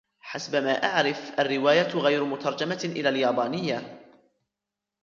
حسب ما أعرف ، الرواية غير مترجمة إلى اليابانية.